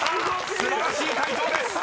素晴らしい解答です］